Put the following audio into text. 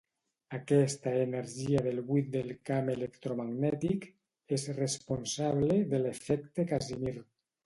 Aquesta energia de buit del camp electromagnètic és responsable de l'efecte Casimir.